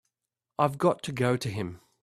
I've got to go to him.